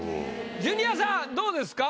ジュニアさんどうですか？